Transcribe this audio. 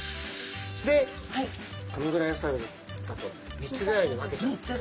でこのぐらいのサイズだと３つぐらいに分けちゃうんですね。